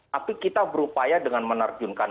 tapi kita berupaya dengan menerjunkan